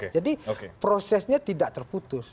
jadi prosesnya tidak terputus